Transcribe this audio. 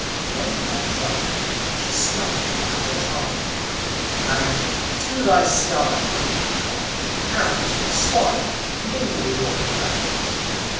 When he had drunk, she struck him with her charming rod, and "To your sty!" she cried; "out, swine! mingle with your companions!"